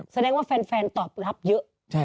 แสดงว่าแฟนตอบรับเยอะ